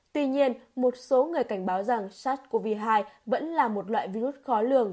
tuy nhiên một số người cảnh báo rằng sars cov hai vẫn là một loại virus khó lường